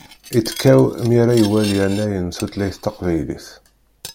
Ittkaw mi ara iwali annay n tutlayt taqbaylit.